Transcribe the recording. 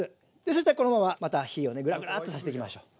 そしたらこのまままた火をグラグラーッとさせていきましょう。